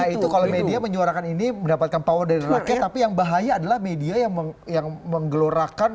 nah itu kalau media menyuarakan ini mendapatkan power dari rakyat tapi yang bahaya adalah media yang menggelorakan